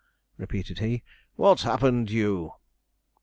repeated he, 'what's happened you?'